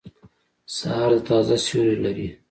سهار د تازه سیوری لري.